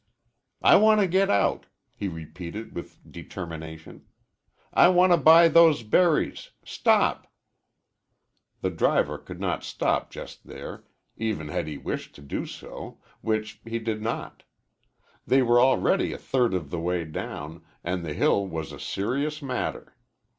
"I want to get out!" he repeated, with determination. "I want to buy those berries! Stop!" The driver could not stop just there, even had he wished to do so, which he did not. They were already a third of the way down, and the hill was a serious matter.